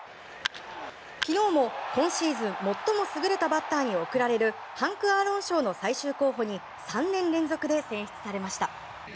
昨日も今シーズン最も優れたバッターに贈られるハンク・アーロン賞の最終候補に３年連続で選出されました。